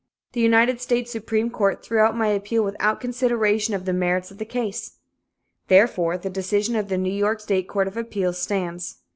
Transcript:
The United States Supreme Court threw out my appeal without consideration of the merits of the case. Therefore, the decision of the New York State Court of Appeals stands.